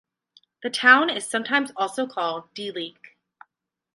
The town is sometimes also called "De Leek".